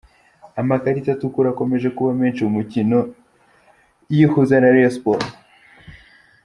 Amakarita atukura akomeje kuba menshi mu mikino iyihuza na Rayon Sports